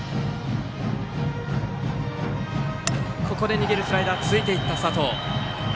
逃げるスライダーについていった佐藤。